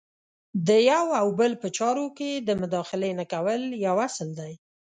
د یو او بل په چارو کې د مداخلې نه کول یو اصل دی.